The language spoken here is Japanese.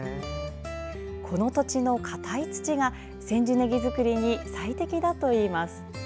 この土地の硬い土が千住ねぎ作りに最適だといいます。